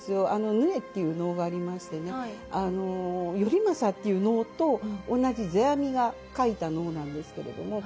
「鵺」っていう能がありましてね「頼政」という能と同じ世阿弥が書いた能なんですけれども。